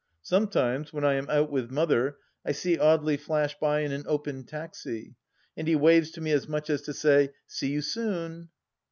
Sometimes, when I am out with Mother, I see Audely flash by in an open taxi, and he waves to me as much as to say, " See you soon